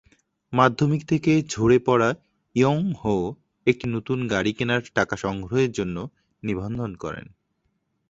মাধ্যমিক থেকে ঝরে পড়া ইয়ং-হো একটি নতুন গাড়ি কেনার টাকা সংগ্রহের জন্য নিবন্ধন করেন।